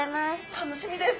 楽しみです。